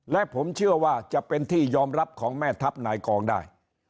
และผมเชื่อว่าจะเป็นที่ยอมรับของแม่ทัพนายกองได้